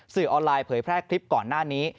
สื่อออนไลน์เผยแพร่คลิปก่อนหน้านี้